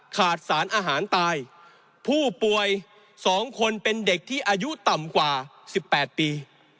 ขาดสารอาหารตายผู้ป่วย๒คนเป็นเด็กที่อายุต่ำกว่า๑๘ปี